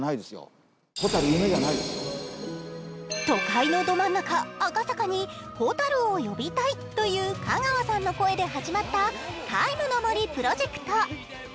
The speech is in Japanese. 都会のど真ん中・赤坂にほたるを呼びたいという香川さんの声で始まった「ＴＩＭＥ，の森」プロジェクト。